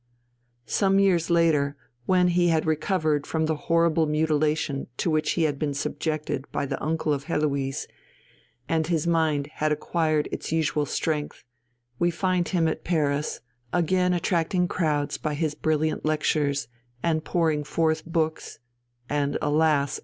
Some years later, when he had recovered from the horrible mutilation to which he had been subjected by the uncle of Heloise, and his mind had acquired its usual strength, we find him at Paris, again attracting crowds by his brilliant lectures, and pouring forth books, and alas!